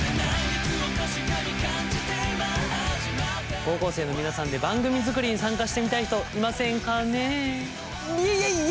高校生の皆さんで番組作りに参加してみたい人いませんかねえ？